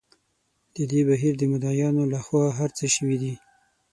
د دې بهیر د مدعییانو له خوا هر څه شوي وو.